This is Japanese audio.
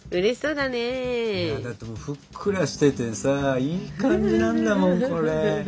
だってふっくらしててさいい感じなんだもんこれ。